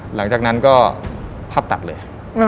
หลังจากนั้นก็ภาพตัดเลย